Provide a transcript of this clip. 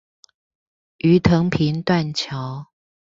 魚藤坪斷橋